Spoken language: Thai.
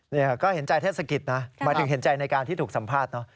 นี่ก็เห็นใจเทศกิจนะหมายถึงเห็นใจในการที่ถูกสัมภาษณ์เนอะ